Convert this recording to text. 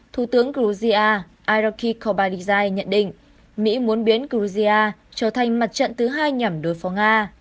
thủ tướng georgia iraqi khobarizai nhận định mỹ muốn biến georgia trở thành mặt trận thứ hai nhằm đối phó nga